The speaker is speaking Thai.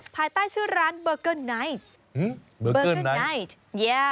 ภายใต้ชื่อร้านเบอร์เกอร์ไนทฮึแรงไท